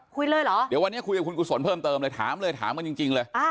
คุยเลยเหรอเดี๋ยววันนี้คุยกับคุณกุศลเพิ่มเติมเลยถามเลยถามกันจริงเลย